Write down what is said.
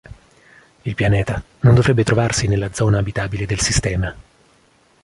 Il pianeta non dovrebbe trovarsi nella zona abitabile del sistema.